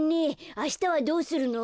あしたはどうするの？